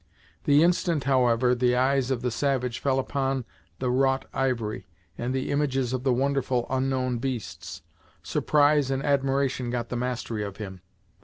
The instant, however, the eyes of the savage fell upon the wrought ivory, and the images of the wonderful, unknown beasts, surprise and admiration got the mastery of him.